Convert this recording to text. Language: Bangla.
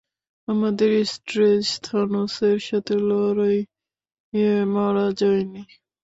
আমাদের স্ট্রেঞ্জ থানোসের সাথে লড়াইয়ে মারা যায়নি।